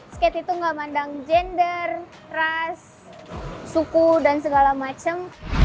skate itu gak mandang gender ras suku dan segala macam